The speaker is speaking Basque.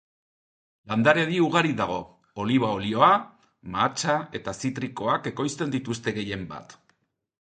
Landaredi ugari dago; oliba-olioa, mahatsa eta zitrikoak ekoizten dituzte gehienbat.